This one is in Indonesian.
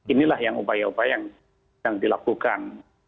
inilah yang upaya upaya yang dilakukan